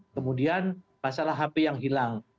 kemudian masalah hp yang hilang